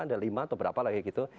ada lima atau berapa lagi gitu